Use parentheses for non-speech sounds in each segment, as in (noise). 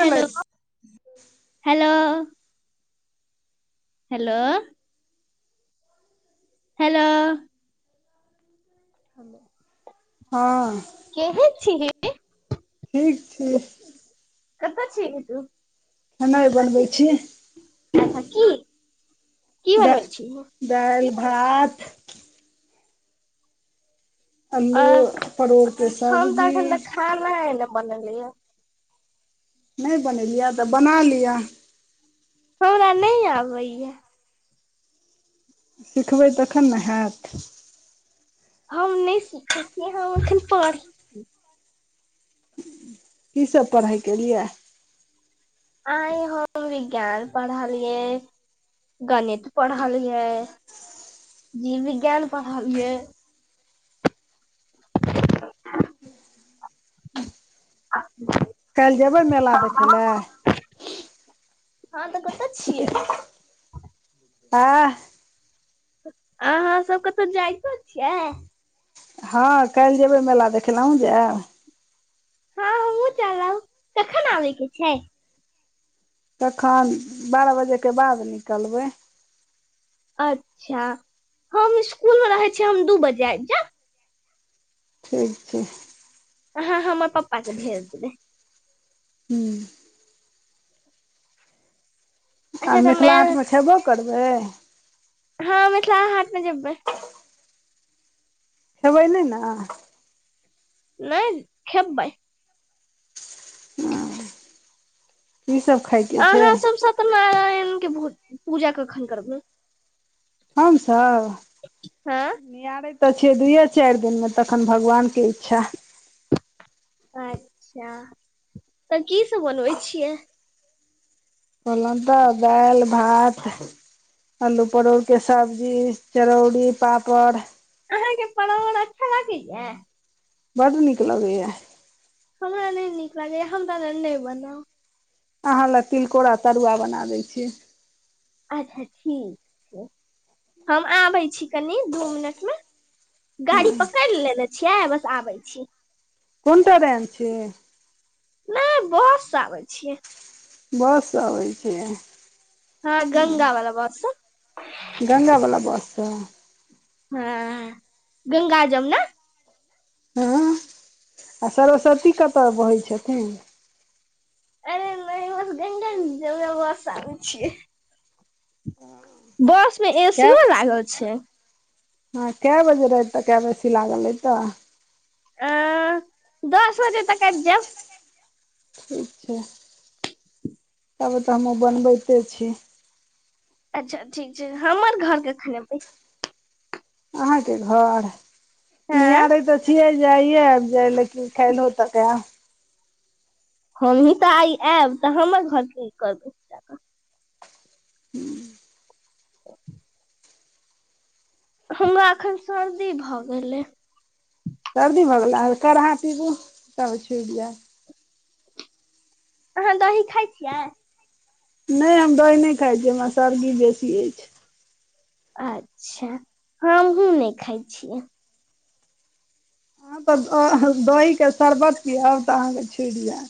गेलै hello hello hello हँ ह केहे छीही ठीक छी कतऽ छि गे तू खेनाय बनबै छी अच्छा की की दा बनबै छी दालि भात आ आलू परोरकेे सब्जी ह ल ए ले बनलिय नहि बनेलियै तऽ बना लिअ हमरा नै आबैय सिखबै तखन ने हेएत हम नहि सिखैत छियै हम अखन पढ़ी की सब पढ़ैके एलिए आइ हम विज्ञान पढ़लियै गणित पढ़लियै जीव विज्ञान पढ़लियै (inaudible) काल्ह जेबै मेला देखै लए हँ तऽ ही छियै ही ही ही ए अहाँ सबके कतोऽ जाइतो छियै हँ काल्हि जेबै मेला देखयले आहुँ जायब हँ हमहुँ चलब कखन आबै के छै कखन बारह बजेके बाद निकलबै अच्छा हम इसकूल मे रहै छिय हम दू बजे आब जा ठीक छै हँ हमर पप्पा के भेज देब हूँ आ अच्छा तऽ मिथिला मेल हाटमे छैबो करबै हँ मिथिला हाट मे जेबे खेबै नै ने नहि खेबै ई सब खायके छै त नारायण के भ पूजा कखन करबै हमसभ हँ निआरैत तऽ छियै दुइए चार दिनमे तखन भगवानके इच्छा अच्छा तऽ की सब बनबै छियै कहलो तऽ दाल भात आलू परोड़ के सब्जी चरौड़ी पापड़ अहेके पावर अच्छा लागैया बड नीक लगैया हमरा नै नीक लागैया हमरा ल नै बनाउ अहाँ लए तिलकोरा तरुआ बना दै छी अच्छा ठीक छै हम आबै छी कनि दू मिनट मे हँ गाड़ी पकड़ लेनेे छियै बस आबै छी कोन ट्रेन छै नै बस से आबे छियै बस से आबै छिये हँ गंगा वाला बस से ह गङ्गा बला बस स हँ गंगा जमुना हँ आ सरस्वती कतय बहै छथिन अरे नहि बस गंगा जमुना बस स आबै छियै बस में एसियो लागल छै ह के बजे रात तक आबच छी लागल अय त अ दस बजे तक आइब जैब ठीक छै तब तऽ हमहुँ बनबैते छी अच्छा ठीक छै हमर घर कखन एबै अहाँके घर हँ नियारे त छिय जे आइए आब जाए लेकिन काल्हि तक आब हमहीँ तऽ आइ आयब तऽ हमर घरके ईी करबै (unintelligible) हमरा एखन सर्दी भ गेल अय सर्दी भ गेले काढ़ा पीबू तब छुटि जाएत अहाँ दही खाइ छियै नहि हम दही नहि खाई छी हमरा सर्दी बेसी अछि अच्छा हमहूँ नहि खाई छियै हँ तऽ दहीके शरबत पीयब तऽ अहाँके छुट जाइत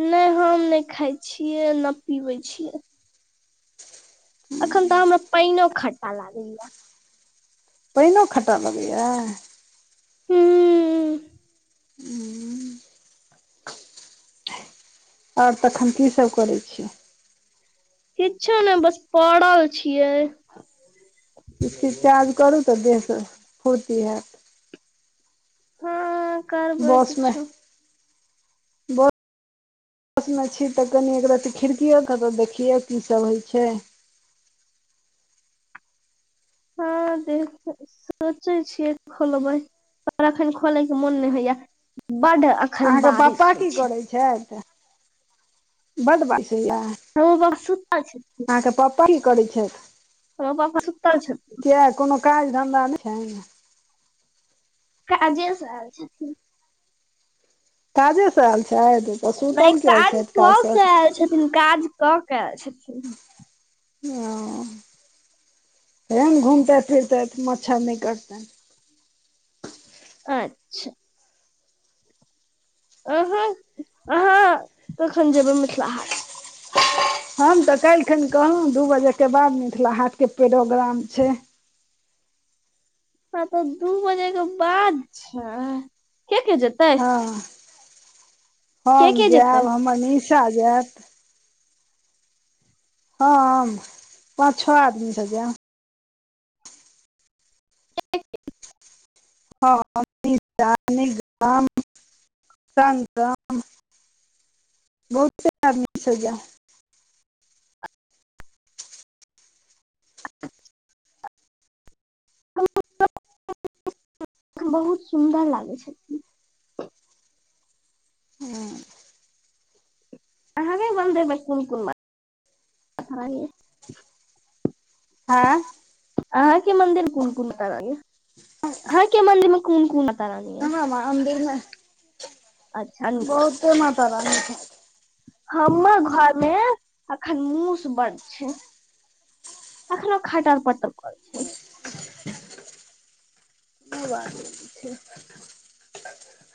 नहि हम नहि खाय छियै नहि पीबै छियै अखन तऽ हमरा पानि खट्टा लागैयै पाइनो खट्टा लगैया हूँ हू आओर तखन की सभ करै छियै किछो ने बस पड़ल छियै उठिके चार्ज करू तऽ देह के फूर्ती हैत हँ करबै बसमे किछो बस बस मे छी तऽ कनि एकरती खिड़कियो के तऽ देखियौ की सब होइ छै हँ देख सोचे छियै खोलबे पर एखन खोलयके मोन नहि होइया बड अखन अहाँके बारिश पापा होइ की करै छै बड बसैया रहो बक सुतल छथिन अहाँके पप्पा की करे छैथ हमर पप्पा सुतल छथिन किया कोनो काज धन्धा नहि छैन्ह काजेसँ आयल छथिन काजेसँ आयल छथि तऽ नहि सुतल किया काज छथि कऽ के काजसँ आयल छथिन काज कऽ के आयल छथिन (inaudible) कहियोन घुमतै फिरतै मच्छर नहि कटतैन अच्छा अहाँ अहाँ कखन जेबै मिथिला हाट हम तऽ काल्हिखिन कहलहुँ दू बजेके बाद मिथिला हाटके पेरोग्राम छै हँ तऽ दू बजे के बाद छै के के जेते हँ के हम के जेतै जायब हमर निशा जायत हम पाँच छह आदमी से जैब (unintelligible) बहुत आदमी से जाएम (inaudible) (unintelligible) बहुत सुन्दर लागै छथिन हँ अहे मन्दिरमे कोन कोन मन्दिर अच्छा लगै ये ऐं अहाँके मंदिर कोन कोन अच्छा लागै यै (unintelligible) अहाँके मन्दिर मे कोन कोन अच्छा लागै यै मंदिर मे अच्छा बहुते माता रानी के हमर घर मे अखन मूस बड्ड छै एखनो खटर पटर करै छै कोइ बात नै छै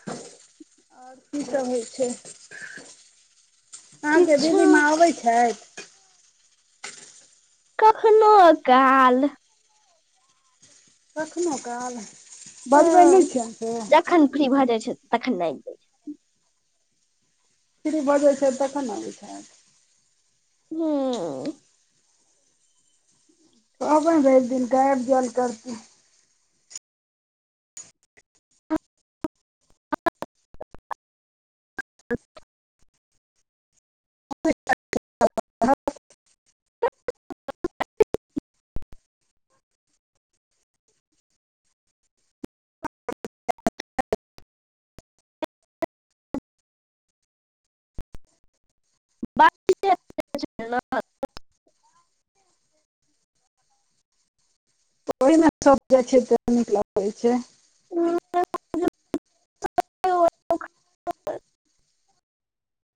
आओर की सभ होइ छै अहाँके किछु दीदी माँ आबै छैथ कखनो काल कखनो काल बजबै नहि हँ छियै अहां से? जखन फ्री भऽ जाय छैय तखन आबि जाय फ्री भ जाइत छैय तखन आबै छैथ। हँ कहबै रवि दिन क आइब जैल करथिन। (unintelligible) (unintelligible) नीक लागैत छैय। (unintelligible) (unintelligible)